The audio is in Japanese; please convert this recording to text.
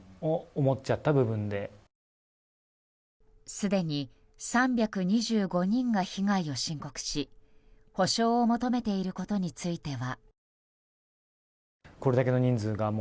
すでに３２５人が被害を申告し補償を求めていることについては。